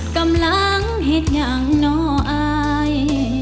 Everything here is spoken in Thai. กำลังเห็นอย่างน่ออาย